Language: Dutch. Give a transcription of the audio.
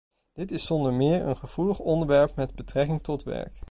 Dit is zonder meer een gevoelig onderwerp met betrekking tot werk.